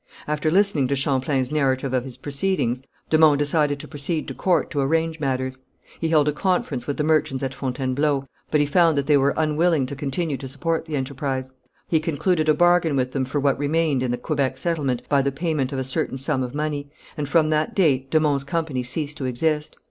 After listening to Champlain's narrative of his proceedings, de Monts decided to proceed to court to arrange matters. He held a conference with the merchants at Fontainebleau, but he found that they were unwilling to continue to support the enterprise. He concluded a bargain with them for what remained in the Quebec settlement by the payment of a certain sum of money, and from that date de Monts' company ceased to exist.